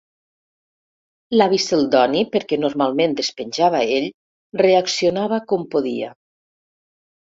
L'avi Celdoni, perquè normalment despenjava ell, reaccionava com podia.